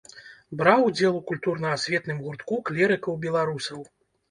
Браў удзел у культурна-асветным гуртку клерыкаў-беларусаў.